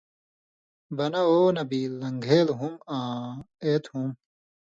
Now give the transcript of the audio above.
بنہ (وو نبی) لن٘گھېل ہُم آں اېت ہُم۔